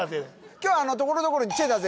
今日ところどころにチェだぜ！